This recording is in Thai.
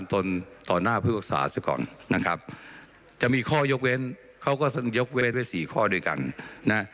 ถ้ามีข้อยกเว้นเขาก็ยกเว้นไว้สี่ข้อด้วยกันนะฮะ